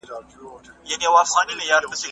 ¬ په دوو بېړيو کي پښې مه ايږده.